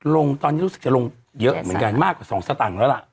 ลงตอนนี้รู้สึกจะลงเยอะเหมือนกันมากกว่า๒สตางค์แล้วล่ะ